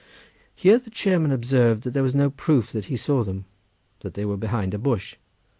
Here the chairman observed that there was no proof that he saw them—that they were behind a bush.